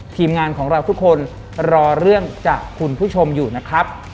ทีมงานของเราทุกคนรอเรื่องจากคุณผู้ชมอยู่นะครับ